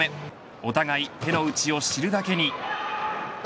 お互い手のうちを知るだけに。